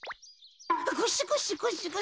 ゴシゴシゴシゴシ。